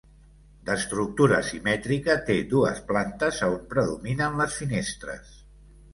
D'estructura simètrica, té dues plantes a on predominen les finestres.